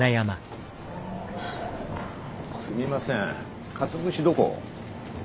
すみませんかつ節どこ？